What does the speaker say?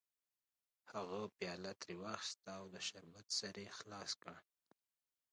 هغه پیاله ترې واخیسته او د شربت سر یې خلاص کړ